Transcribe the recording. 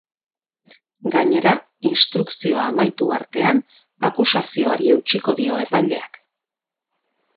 Gainera, instrukzioa amaitu artean akusazioari eutsiko dio epaileak.